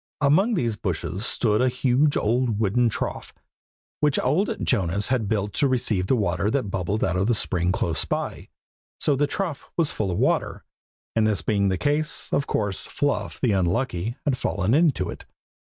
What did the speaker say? Among these bushes stood a huge old wooden trough, which old Jonas had built to receive the water that bubbled out of a spring close by. So the trough was full of water, and this being the case, of course Fluff the unlucky had fallen into it.